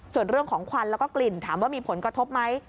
ส่วนเรื่องของควันแล้วก็กลิ่นถามว่ามีผลกระทบไหม